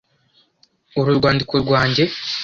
Uru rwandiko rwanjye.